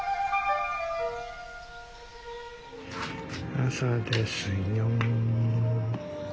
朝ですよ。